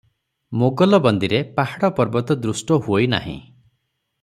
ମୋଗଲବନ୍ଦୀରେ ପାହାଡ଼ପର୍ବତ ଦୃଷ୍ଟ ହୁଅଇ ନାହିଁ ।